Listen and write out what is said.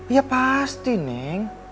ya pasti neng